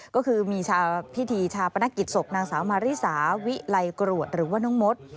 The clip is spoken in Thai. ก็คือมีพิธีชาปนกิจศพนางสาวมาริสาวิไลกรวดหรือว่าน้องมด